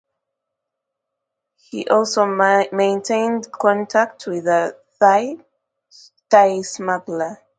He also maintained contact with the Thai smuggler.